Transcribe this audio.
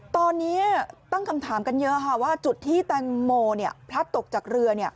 ตอนนี้ตั้งคำถามกันเยอะค่ะว่าจุดที่แตงโมพลัดตกจากเรือ